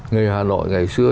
người hà nội ngày xưa